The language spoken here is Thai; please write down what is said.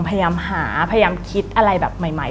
พยายามหาพยายามคิดอะไรแบบใหม่